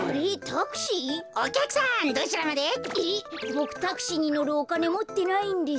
ボクタクシーにのるおかねもってないんです。